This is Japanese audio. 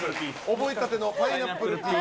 覚えたてのパイナップルピース。